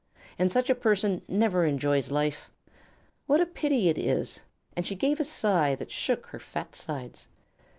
And such a person never enjoys life. What a pity it is!" and she gave a sigh that shook her fat sides.